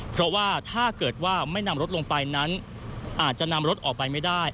เพราะว่าถ้าเกิดว่าไม่นำรถลงไปนั้นอาจจะนำรถออกไปไม่ได้